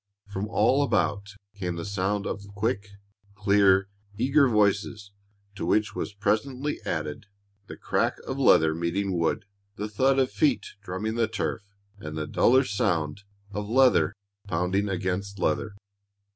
From all about came the sound of quick, clear, eager voices, to which was presently added the crack of leather meeting wood, the thud of feet drumming the turf, and the duller sound of leather pounding against leather.